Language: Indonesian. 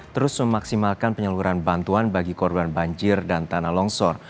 terus memaksimalkan penyaluran bantuan bagi korban banjir dan tanah longsor